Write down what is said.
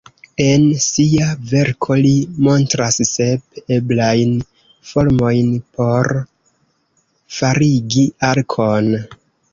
En sia verko li montras sep eblajn formojn por faligi arkon.